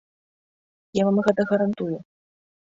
Я вам гэта гарантую.